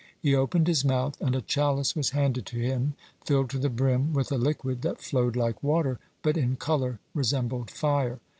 He opened his mouth, and a chalice was handed to him, filled to the brim with a liquid that flowed like water, but in color resembled fire.